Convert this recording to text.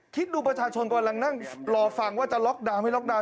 คิดดูประชาชนกำลังนั่งรอฟังว่าจะล็อกดาวน์ไม่ล็อกดาวน